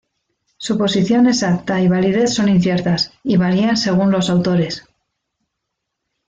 Su posición exacta y validez son inciertas, y varían según los autores.